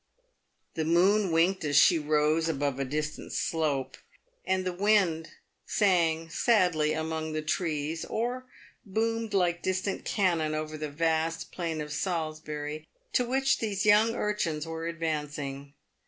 The moon winked as she rose above a distant slope, and the wind sang sadly among the trees, or boomed like distant cannon over the vast plain of Salisbury, to which these young urchins were advancing.